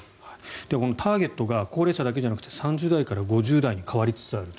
ターゲットが高齢者じゃなくて３０代から５０代に変わりつつあると。